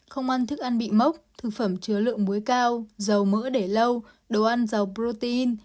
không ăn thức ăn bị mốc thực phẩm chứa lượng muối cao dầu mỡ để lâu đồ ăn dầu protein